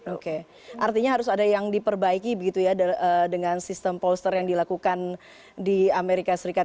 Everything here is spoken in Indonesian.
oke artinya harus ada yang diperbaiki begitu ya dengan sistem polster yang dilakukan di amerika serikat